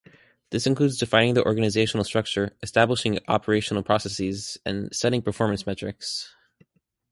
This includes defining the organizational structure, establishing operational processes, and setting performance metrics.